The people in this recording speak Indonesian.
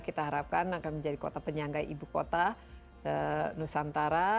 kita harapkan akan menjadi kota penyangga ibu kota nusantara